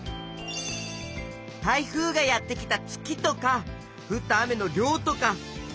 台風がやって来た月とかふった雨の量とか仲間分け